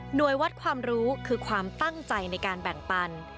โดยวัดความรู้คือความตั้งใจในการแบ่งปัน